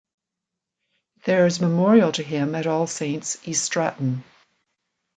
There is a memorial to him at All Saints, East Stratton.